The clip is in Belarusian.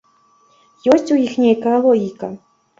Ёсць у іх нейкая логіка?